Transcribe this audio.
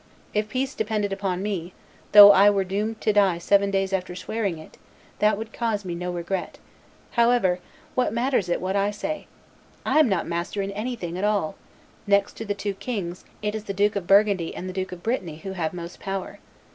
If peace depended upon me, though I were doomed to die seven days after swearing it, that would cause me no regret. however, what matters it what I say? I am not master in anything at all; next to the two kings, it is the Duke of Burgundy and the Duke of Brittany who have most power.